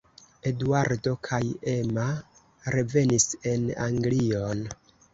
Eduardo kaj Emma revenis en Anglion.